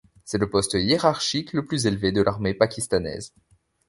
C'est le poste hiérarchique le plus élevé de l'armée pakistanaise.